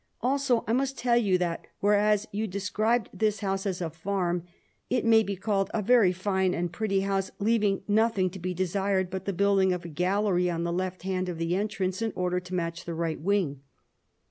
... Also I must tell you that whereas you described this house as a farm, it may be called a very fine and pretty house, leaving nothing to be desired but the building of a gallery on the left hand of the entrance, in order to match the right wing.